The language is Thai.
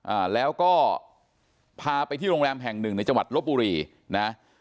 อ่าแล้วก็พาไปที่โรงแรมแห่งหนึ่งในจังหวัดลบบุรีนะ